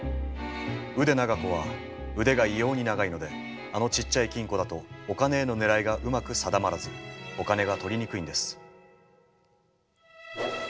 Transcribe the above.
腕長子は腕が異様に長いのであのちっちゃい金庫だとお金への狙いがうまく定まらずお金が取りにくいんです。